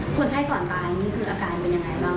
ส่วนให้ก่อนไปนี่คืออาการเป็นยังไงบ้าง